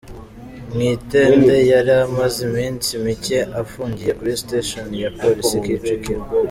Mwitende yari amaze iminsi mike afungiye kuri Station ya Polisi Kicukiro.